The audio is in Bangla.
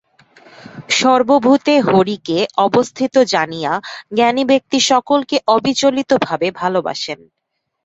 সর্বভূতে হরিকে অবস্থিত জানিয়া জ্ঞানী ব্যক্তি সকলকে অবিচলিতভাবে ভালবাসেন।